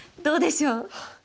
どうでしょう？